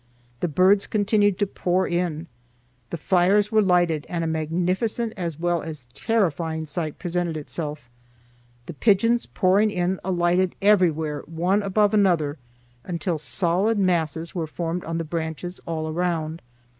The birds continued to pour in. The fires were lighted and a magnificent as well as terrifying sight presented itself. The pigeons pouring in alighted everywhere, one above another, until solid masses were formed on the branches all around.